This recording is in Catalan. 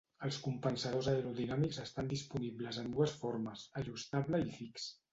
Els compensadors aerodinàmics estan disponibles en dues formes, ajustable i fix.